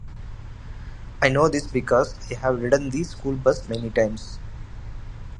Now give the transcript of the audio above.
I know this because I have ridden the school bus many times.